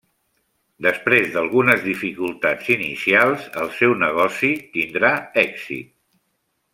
Després d'algunes dificultats inicials, el seu negoci tindrà èxit.